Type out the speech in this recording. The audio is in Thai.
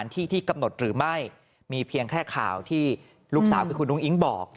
ที่ที่กำหนดหรือไม่มีเพียงแค่ข่าวที่ลูกสาวคือคุณอุ้งอิ๊งบอก